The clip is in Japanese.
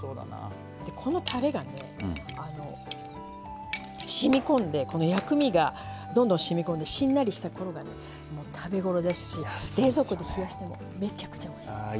このたれが、しみこんで薬味が、どんどん、しみこんでしんなりしたころが食べ頃ですし冷蔵庫で冷やしてもめちゃくちゃおいしい。